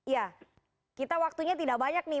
ya kita waktunya tidak banyak nih